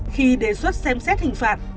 khi đề xuất xem xét hình phạt